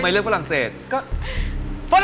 เฮ้ยจริงเหรอ